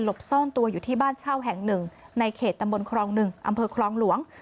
ซ่อนตัวอยู่ที่บ้านเช่าแห่งหนึ่งในเขตตำบลครอง๑อำเภอครองหลวง